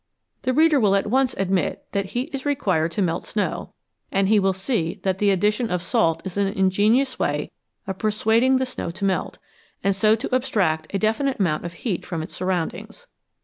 The reader will at once admit that heat is required to melt snow, and he will see that the addition of salt is an ingenious way of persuading the snow to melt, and so to abstract a definite amount of heat from its surroundings.